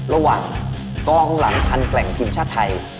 ระหว่างกองหลังคันแกร่งทีมชาติไทย